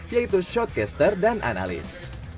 yaitu shortcaster dan analis